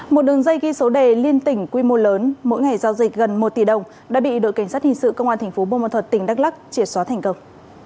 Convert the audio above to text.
một đường dây ghi số đề liên tỉnh quy mô lớn mỗi ngày giao dịch gần một tỷ đồng đã bị đội cảnh sát hình sự công an thành phố bô ma thuật tỉnh đắk lắc triệt xóa thành công